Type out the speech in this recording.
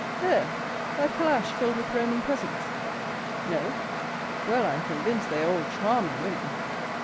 "There,—that calash filled with Roman peasants." "No." "Well, I am convinced they are all charming women."